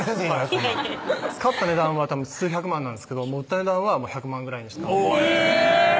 そんなん使った値段は数百万なんですけど売った値段は１００万ぐらいにしかえぇ！